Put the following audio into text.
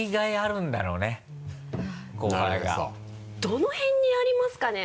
どの辺にありますかね？